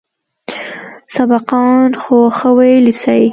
سبقان خو ښه ويلى سئ.